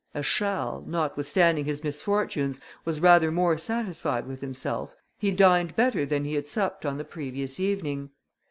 As Charles, notwithstanding his misfortunes, was rather more satisfied with himself, he dined better than he had supped on the previous evening.